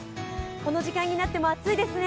この時間になっても暑いですね。